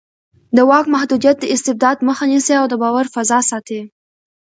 د واک محدودیت د استبداد مخه نیسي او د باور فضا ساتي